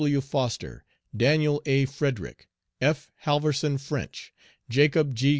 W. Foster, Daniel A. Frederick, F. Halverson French, Jacob G.